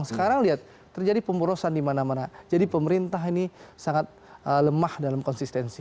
sekarang lihat terjadi pemurusan di mana mana jadi pemerintah ini sangat lemah dalam konsistensi